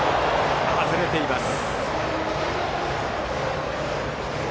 外れています。